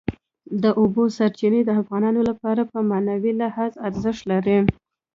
د اوبو سرچینې د افغانانو لپاره په معنوي لحاظ ارزښت لري.